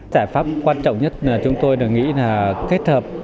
giải pháp quan trọng nhất là chúng tôi đã nghĩ là kết hợp